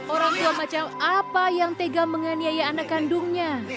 orang tua macal apa yang tega menganiaya anak kandungnya